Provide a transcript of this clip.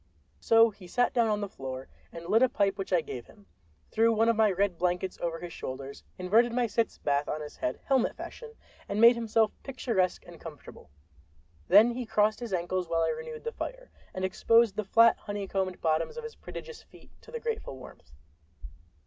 So he sat down on the floor, and lit a pipe which I gave him, threw one of my red blankets over his shoulders, inverted my sitz bath on his head, helmet fashion, and made himself picturesque and comfortable. Then he crossed his ankles, while I renewed the fire, and exposed the flat, honeycombed bottoms of his prodigious feet to the grateful warmth.